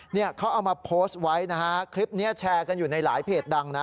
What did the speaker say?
เนี่ยเขาเอามาโพสต์ไว้นะฮะคลิปนี้แชร์กันอยู่ในหลายเพจดังนะ